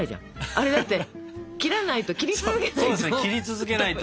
あれだって切らないと切り続けないと。